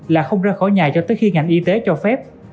là không ra khỏi nhà cho tới khi ngành y tế cho phép